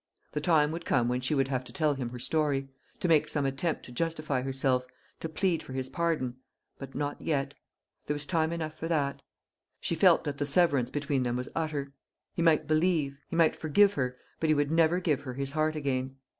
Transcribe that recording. The time would come when she would have to tell him her story to make some attempt to justify herself to plead for his pardon; but not yet. There was time enough for that. She felt that the severance between them was utter. He might believe, he might forgive her; but he would never give her his heart again.